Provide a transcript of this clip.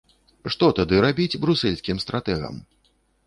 Што тады рабіць брусэльскім стратэгам?